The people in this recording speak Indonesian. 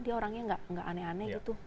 dia orangnya gak aneh aneh gitu